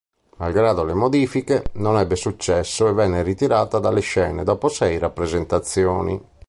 Malgrado le modifiche, non ebbe successo e venne ritirata dalla scene dopo sei rappresentazioni.